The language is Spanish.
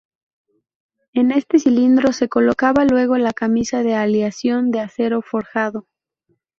En este cilindro se colocaba luego la camisa de aleación de acero forjado.